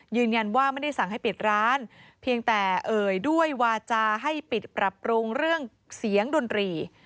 ยืนยันว่าไม่ได้สั่งให้ปิดร้านเพียงแต่เอ่ยด้วยวาจาให้ปิดปรับปรุงเรื่องเสียงดนตรี